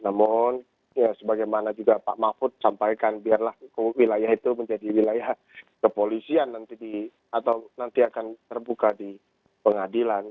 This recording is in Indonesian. namun ya sebagaimana juga pak mahfud sampaikan biarlah wilayah itu menjadi wilayah kepolisian nanti di atau nanti akan terbuka di pengadilan